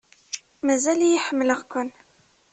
Mazal-iyi ḥemmleɣ-ken.